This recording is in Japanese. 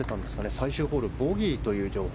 最終ホール、ボギーという情報。